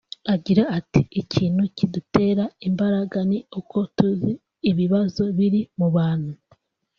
Agira ati "Ikintu kidutera imbaraga ni uko tuzi ibibazo biri mu bantu